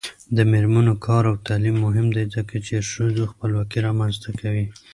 د میرمنو کار او تعلیم مهم دی ځکه چې ښځو خپلواکي رامنځته کوي.